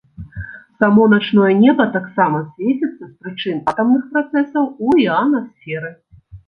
Само начное неба таксама свеціцца з прычын атамных працэсаў у іанасферы.